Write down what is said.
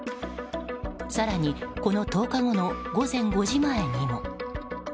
更に、この１０日後の午前５時前にも。